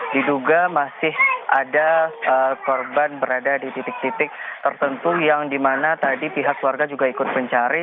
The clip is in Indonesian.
diduga masih ada korban berada di titik titik tertentu yang dimana tadi pihak keluarga juga ikut mencari